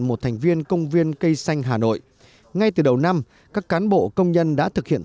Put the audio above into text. một thành viên công viên cây xanh hà nội ngay từ đầu năm các cán bộ công nhân đã thực hiện